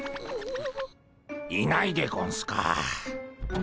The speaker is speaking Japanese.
いないでゴンスか。